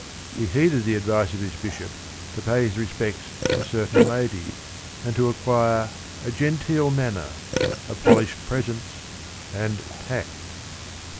He heeded the advice of his bishop to pay his respects to certain ladies, and to acquire a "genteel manner," "a polished presence," and tact.